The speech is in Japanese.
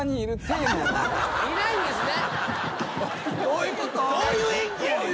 いないんですね？